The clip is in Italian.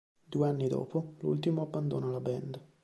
Due anni dopo, l'ultimo abbandona la band.